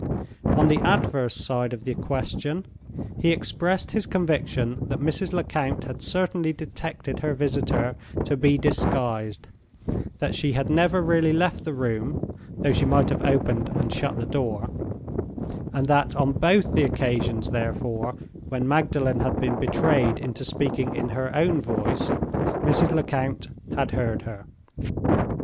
On the adverse side of the question, he expressed his conviction that Mrs. Lecount had certainly detected her visitor to be disguised; that she had never really left the room, though she might have opened and shut the door; and that on both the occasions, therefore, when Magdalen had been betrayed into speaking in her own voice, Mrs. Lecount had heard her.